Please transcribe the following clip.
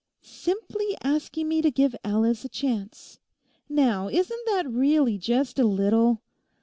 '"Simply asking me to give Alice a chance"; now isn't that really just a little...?